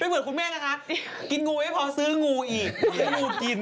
เป็นเหมือนคุณแม่นะคะกินงูไว้พอซื้องูอีก